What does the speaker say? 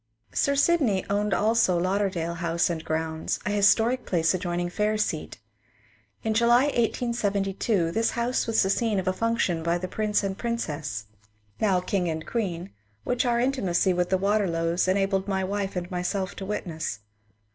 Sir Sydney owned also Lauderdale House and grounds, a historic place adjoining Fairseat. In July, 1872, this house was the scene of a function by the Prince and Princess, now LAUDERDALE HOUSE 283 King and Queen, which our intimacy with the Waterlows en abled my wife and myself to witness.